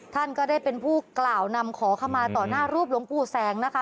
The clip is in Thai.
ท่านก็ได้เป็นผู้กล่าวนำขอขมาต่อหน้ารูปหลวงปู่แสงนะคะ